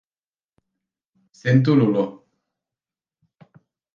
Sento l'olor.